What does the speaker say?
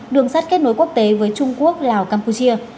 đường sắt kết nối quốc tế với trung quốc lào campuchia